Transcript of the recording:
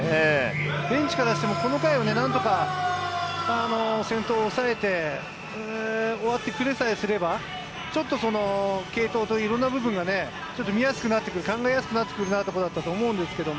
ベンチからしても、この回を何とか先頭を抑えて、終わってくれさえすれば、ちょっと継投とか、いろんな部分が見えやすくなってくる、考えやすくなってくるところだったと思うんですけれど、